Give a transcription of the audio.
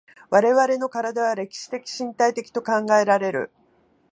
我々の身体は歴史的身体的と考えられる。